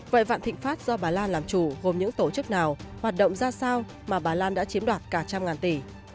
vậy vạn thịnh pháp do bà lan làm chủ gồm những tổ chức nào hoạt động ra sao mà bà lan đã chiếm đoạt cả trăm ngàn tỷ